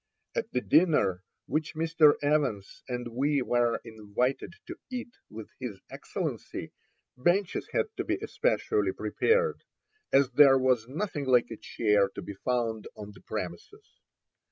At the dinner which Mr. Evans and we were invited to eat with his excellency, benches had to be especially prepared, as there was nothing like a chair to be found on the premises.